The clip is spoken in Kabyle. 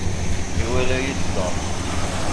Iwala-yi-d Tom.